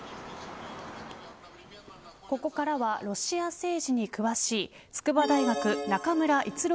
ここからはロシア政治に詳しい筑波大学中村逸郎